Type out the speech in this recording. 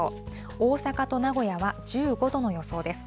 大阪と名古屋は１５度の予想です。